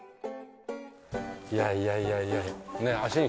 いやいやいやいや。